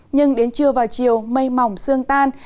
nhưng đến trưa vào chiều mây mỏng sương tan